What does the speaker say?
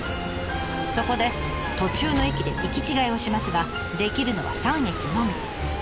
そこで途中の駅で行き違いをしますができるのは３駅のみ。